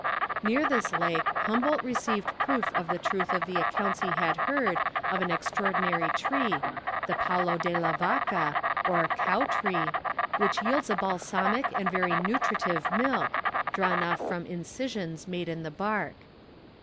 Near this lake Humboldt received proof of the truth of the accounts he had heard of an extraordinary tree, the palo de la vaca, or cow tree, which yields a balsamic and very nutritive milk, drawn off from incisions made in the bark.